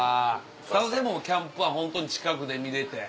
ただでもキャンプはホントに近くで見れて。